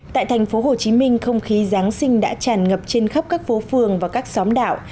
tại thành phố hồ chí minh không khí giáng sinh đã tràn ngập trên khắp các phố phường và các xóm đạo